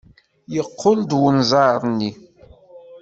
Yeqqel-d unẓar-nni.